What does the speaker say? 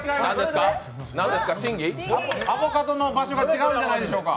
アボカドの場所が違うんじゃないでしょうか。